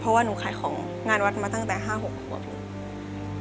เพราะว่าหนูขายของงานวัดมาตั้งแต่๕๖ขวบเอง